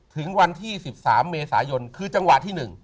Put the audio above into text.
ถึงวันที่๑๓เมษายนคือจังหวะที่๑